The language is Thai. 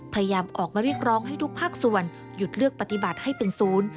พยายามออกมาเรียกร้องให้ทุกภาคส่วนหยุดเลือกปฏิบัติให้เป็นศูนย์